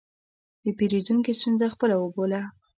د پیرودونکي ستونزه خپله وبوله.